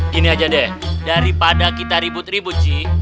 gini aja deh daripada kita ribut ribut ji